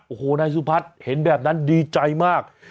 โอ้โหนายสุพัฒน์เห็นแบบนั้นดีใจมาก